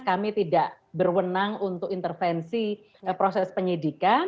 kami tidak berwenang untuk intervensi proses penyidikan